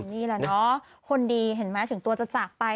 นี่แหละเนาะคนดีเห็นไหมถึงตัวจะจากไป